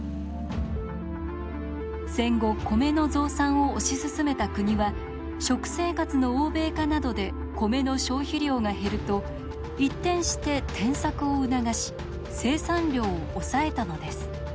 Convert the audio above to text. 戦後米の増産を推し進めた国は食生活の欧米化などで米の消費量が減ると一転して転作を促し生産量を抑えたのです。